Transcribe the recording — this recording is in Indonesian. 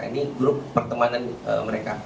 ini grup pertemanan mereka